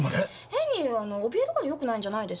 変にあのおびえるからよくないんじゃないですか？